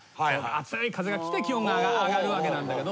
あつい風がきて気温が上がるわけなんだけど。